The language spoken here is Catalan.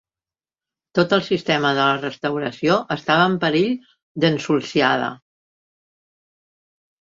Tot el sistema de la Restauració estava en perill d'ensulsiada.